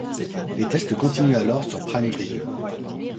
Les tests continuent alors sur PrimeGrid.